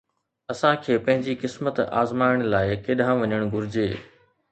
اسان کي پنهنجي قسمت آزمائڻ لاءِ ڪيڏانهن وڃڻ گهرجي؟